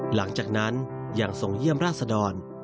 หลังจากนั้นยังทรงเยี่ยมราชดร